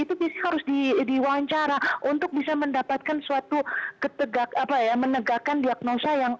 itu harus diwawancara untuk bisa mendapatkan suatu ketegak menegakkan diagnosa yang